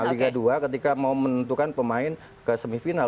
liga dua ketika mau menentukan pemain ke semifinal